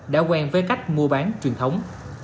đã quen với cách mua bán truyền thống